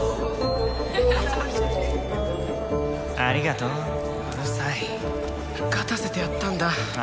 ありがとううるさい勝たせてやったんだあ